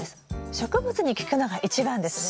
植物に聞くのが一番ですね。